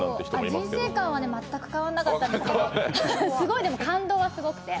人生観は全く変わらなかったんですけどすごい、でも感動はすごくて。